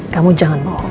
kamu jangan bohong